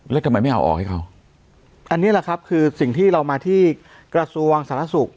แล้วทำไมไม่เอาออกให้เขาอันนี้แหละครับคือสิ่งที่เรามาที่กระทรวงสาธารณสุข